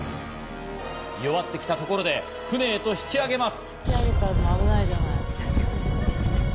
弱ってきたところで、船に引き揚げます。